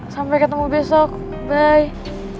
sampai ketemu besok bye